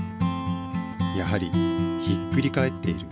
やはりひっくり返っている。